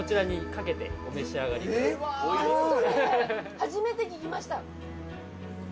初めて聞きました。